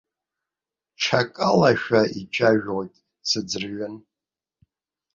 Ҽакалашәа ицәажәоит, сыӡрыҩын.